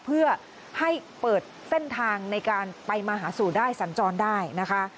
เพื่อให้เปิดเส้นทางในการไปมาหาสู่ได้สัญจรได้นะคะ